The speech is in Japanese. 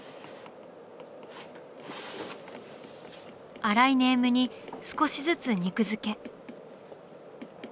粗いネームに少しずつ肉付け。